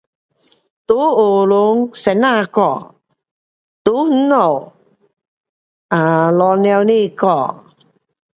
在学堂先生教，在那家 um 父母亲教。